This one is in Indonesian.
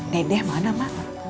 dedeh mana mak